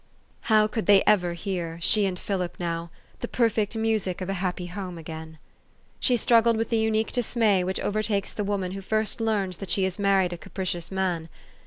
How could they ever hear she and Philip now the perfect music of a happy home again ? She straggled with the unique dismay which over takes the woman who first learns that she has married a capricious man.